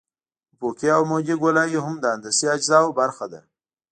افقي او عمودي ګولایي هم د هندسي اجزاوو برخه ده